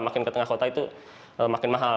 makin ke tengah kota itu makin mahal